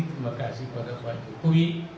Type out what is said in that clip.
terima kasih kepada pak jokowi